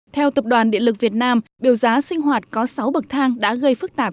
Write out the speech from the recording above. theo tập đoàn điện lực việt nam biểu giá sinh hoạt có sáu bậc thang đã gây phức tạp